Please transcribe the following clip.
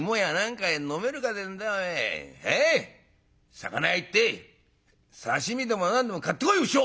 魚屋行って刺身でも何でも買ってこいよ畜生！」。